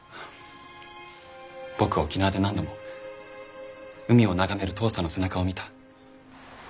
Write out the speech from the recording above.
僕は沖縄で何度も海を眺める父さんの背中を見た。